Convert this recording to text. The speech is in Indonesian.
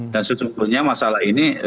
dan sebetulnya masalah ini